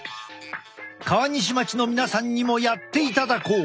川西町の皆さんにもやっていただこう！